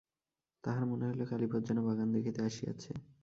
তাঁহার মনে হইল কালীপদ যেন বাগান দেখিতে আসিয়াছে।